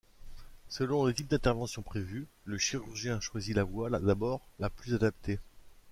Selon le type d'intervention prévue, le chirurgien choisit la voie d'abord la plus adaptée.